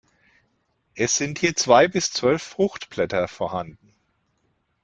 Es sind je zwei bis zwölf Fruchtblätter vorhanden.